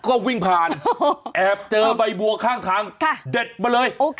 ก็วิ่งผ่านแอบเจอใบบัวข้างทางเด็ดมาเลย